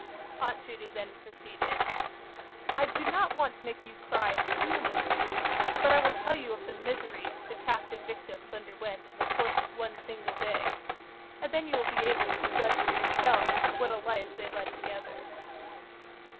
Aunt Judy then proceeded:— "I do not want to make you cry too much, but I will tell you of the miseries the captive victims underwent in the course of one single day, and then you will be able to judge for yourselves what a life they led together.